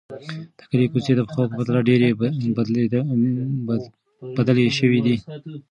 د کلي کوڅې د پخوا په پرتله ډېرې بدلې شوې دي.